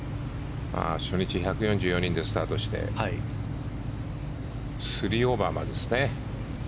初日１４４人でスタートして３オーバーまでですね。